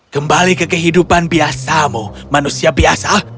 kembali ke kehidupan biasamu manusia biasa